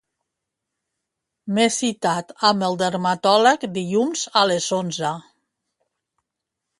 M'he citat amb el dermatòleg dilluns a les onze.